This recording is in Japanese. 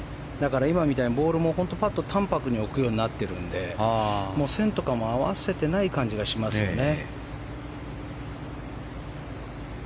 今みたいにボールも淡泊に置くようになっているので線とかも合わせてない感じがしますね。